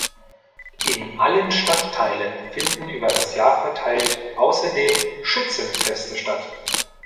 In allen Stadtteilen finden über das Jahr verteilt außerdem Schützenfeste statt.